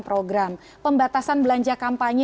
program pembatasan belanja kampanye